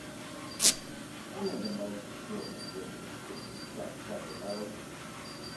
Only the most skilled of wizards could construct such a bird.